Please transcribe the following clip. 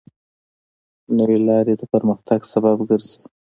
نوې لارې د پرمختګ سبب ګرځي.